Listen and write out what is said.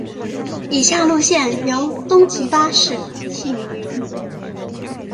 以下路线由东急巴士营运。